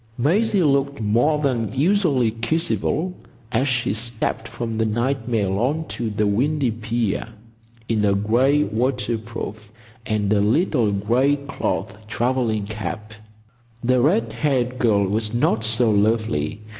Maisie looked more than usually kissable as she stepped from the night mail on to the windy pier, in a gray waterproof and a little gray cloth travelling cap. The red haired girl was not so lovely.